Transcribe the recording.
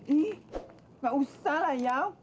ih nggak usah lah ya